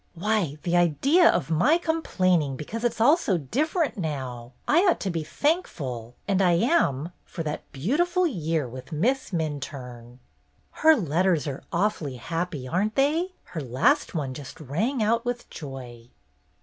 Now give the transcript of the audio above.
"Why, the idea of my complaining because it 's all so different now ! I ought to be thank ful, and I am, for that beautiful year with Miss Minturne." "Her letters are awfully happy, are n't they ? Her last one just rang with joy."